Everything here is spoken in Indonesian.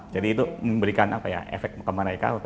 jadi itu memberikan apa ya efek ke mereka